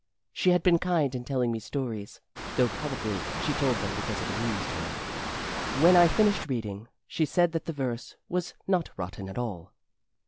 She had been kind in telling me stories, though probably she told them because it amused her. When I finished reading, she said that the verse was not rotten at all.